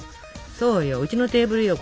そうようちのテーブルよ